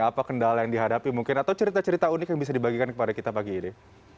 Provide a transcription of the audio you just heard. apa kendala yang dihadapi mungkin atau cerita cerita unik yang bisa dibagikan kepada kita pagi ini